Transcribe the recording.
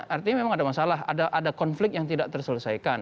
artinya memang ada masalah ada konflik yang tidak terselesaikan